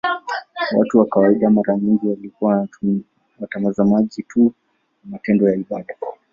Watu wa kawaida mara nyingi walikuwa watazamaji tu wa matendo ya ibada.